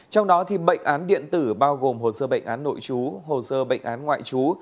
trong đó bệnh án điện tử bao gồm hồ sơ bệnh án nội chú hồ sơ bệnh án ngoại trú